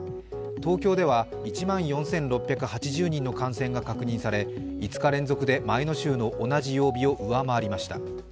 東京では１万４６８０人の感染が確認され５日連続で前の週の同じ曜日を上回りました。